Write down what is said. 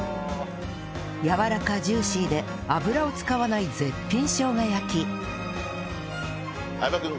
やわらかジューシーで油を使わない絶品しょうが焼き